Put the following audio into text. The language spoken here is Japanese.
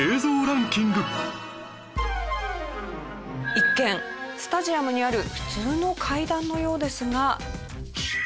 一見スタジアムにある普通の階段のようですが。